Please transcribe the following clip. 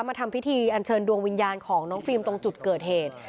มาทำพิธีอันเชิญดวงวิญญาณของน้องฟิล์มตรงจุดเกิดเหตุ